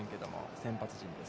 先発陣です。